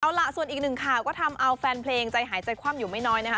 เอาล่ะส่วนอีกหนึ่งข่าวก็ทำเอาแฟนเพลงใจหายใจคว่ำอยู่ไม่น้อยนะคะ